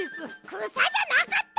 くさじゃなかった！